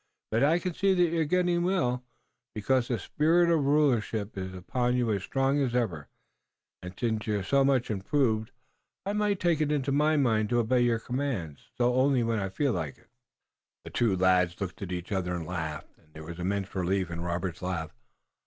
But I can see that you're getting well, because the spirit of rulership is upon you as strong as ever, and, since you're so much improved, I may take it into my mind to obey your commands, though only when I feel like it." The two lads looked at each other and laughed, and there was immense relief in Robert's laugh.